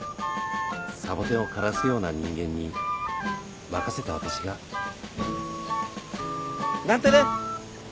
サボテンを枯らすような人間に任せた私が。なんてね。